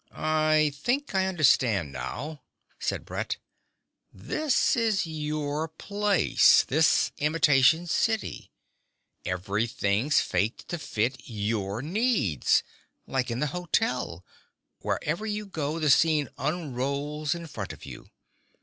"I think I understand now," said Brett. "This is your place, this imitation city. Everything's faked to fit your needs like in the hotel. Wherever you go, the scene unrolls in front of you.